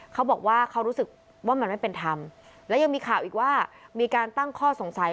เขาบอกว่าเขารู้สึกว่ามันไม่เป็นธรรมและยังมีข่าวอีกว่ามีการตั้งข้อสงสัย